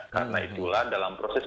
karena itulah dalam proses